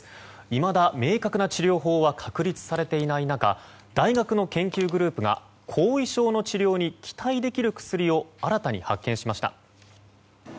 いまだ、明確な治療法は確立されていない中大学の研究グループが後遺症の治療に期待できる薬を新たに発見しました。